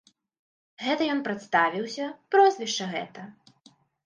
Гэта ён прадставіўся, прозвішча гэта.